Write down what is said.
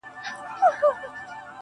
دا هم له تا جار دی، اې وطنه زوروره.